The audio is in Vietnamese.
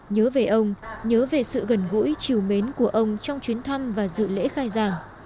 nhớ về ông nhớ về sự gần gũi chiều mến của ông trong chuyến thăm và dự lễ khai giảng